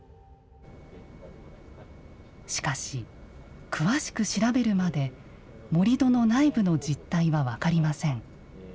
しかし、詳しく調べるまで盛土の内部の実態は分かりません。